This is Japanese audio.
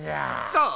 そう？